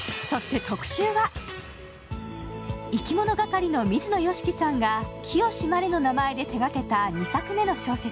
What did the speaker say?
いきものがかりの水野良樹さんが清志まれの名前で手がけた２作目の小説